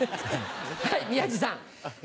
はい宮治さん。